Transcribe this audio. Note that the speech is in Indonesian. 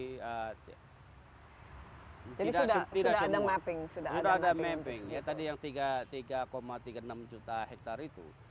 hai jadi tidak tidak ada mapping sudah ada mapping ya tadi yang tiga puluh tiga tiga juta hektare itu